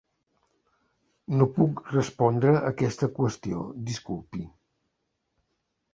No puc respondre aquesta qüestió, disculpi.